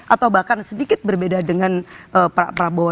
atau bahkan sedikit berbeda dengan pak prabowo